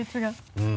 うん！